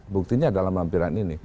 buktinya dalam lampiran ini